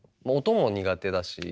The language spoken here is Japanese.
もう音も苦手だし。